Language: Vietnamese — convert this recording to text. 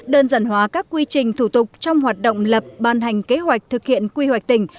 đơn giản hóa các quy trình thủ tục trong hoạt động lập ban hành kế hoạch thực hiện quy hoạch tỉnh